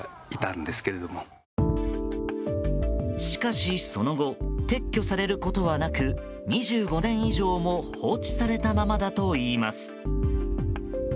しかし、その後撤去されることはなく２５年以上も放置されたままだといいます。